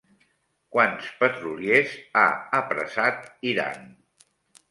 Quants petroliers ha apressat Iran?